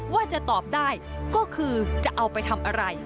ว่าจะตอบได้ก็คือจะเอาไปทำอะไร